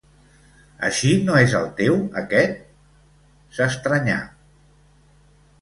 Així no és el teu, aquest? —s'estranyà.